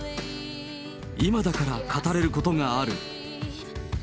今だから語れることがある。